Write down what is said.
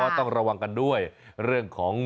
ต้องระวังกันด้วยเรื่องของ